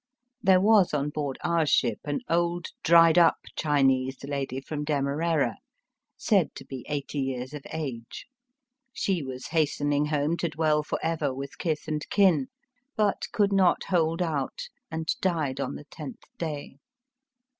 , There was on board our ship an old dried up Chinese lady from Demerara, said to be eighty years of age. She was hastening home to dwell for ever with kith and kin, but could not hold out, and died on the tenth day.